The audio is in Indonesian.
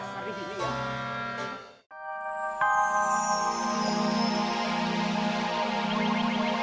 tauin aja dong gerinteng